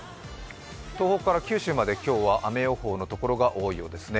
東北から九州まで雨予報のところが多いようですね。